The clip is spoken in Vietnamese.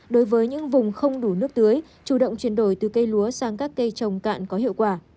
đối với những vùng không đủ nước tưới chủ động chuyển đổi từ cây lúa sang các cây trồng cạn có hiệu quả